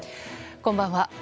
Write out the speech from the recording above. こんばんは。